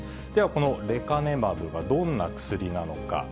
このレカネマブがどんな薬なのか。